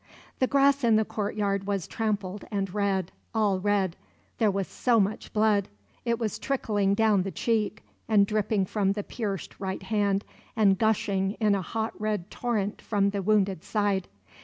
The grass in the courtyard was trampled and red, all red, there was so much blood. It was trickling down the cheek, and dripping from the pierced right hand, and gushing in a hot red torrent from the wounded side.